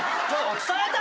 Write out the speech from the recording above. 伝えた！？